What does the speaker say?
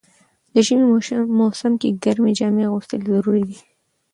د ژمی موسم کی ګرمی جامی اغوستل ضروري ده.